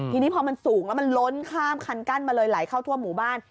ทีนี้พอมันสูงแล้วมันล้นข้ามคันกั้นมาเลยไหลเข้าทั่วหมู่บ้าน